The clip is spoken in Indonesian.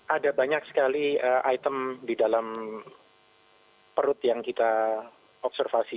ada banyak sekali item di dalam perut yang kita observasi